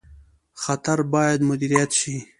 خطر باید مدیریت شي